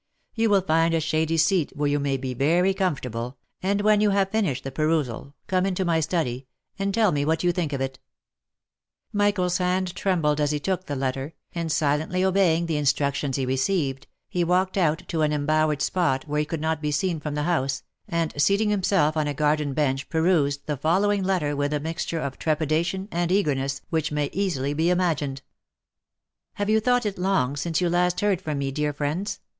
You will find a shady seat where you may be very comfortable, and when you have finished the perusal come into my study, and tell me what you think of it." Michael's hand trembled as he took the letter, and silently obeying the instructions he received, he walked out to an embowered spot where he could not be seen from the house, and seating himself on a garden bench perused the following letter with a mixture of trepida tion and eagerness which may easily be imagined :" Have you thought it long since last you heard from me, dear friends